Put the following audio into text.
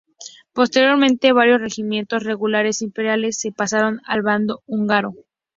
Posteriormente, varios regimientos regulares imperiales se pasaron al bando húngaro.